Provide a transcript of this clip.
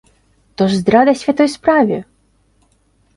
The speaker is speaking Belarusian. То ж здрада святой справе.